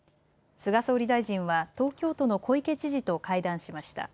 菅総理大臣は東京都の小池知事と会談しました。